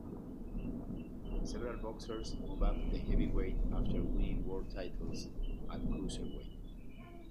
Several boxers moved up to Heavyweight after winning world titles at Cruiserweight.